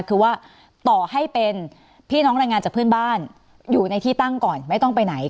คือว่าต่อให้เป็นพี่น้องแรงงานจากเพื่อนบ้านอยู่ในที่ตั้งก่อนไม่ต้องไปไหน